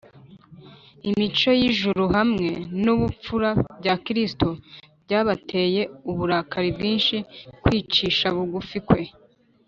imico y’ijuru hamwe n’ubupfura bya kristo byabateye uburakari bwinshi kwicisha bugufi kwe,